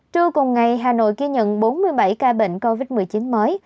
trưa cùng ngày hà nội ghi nhận bốn mươi bảy ca bệnh covid một mươi chín mới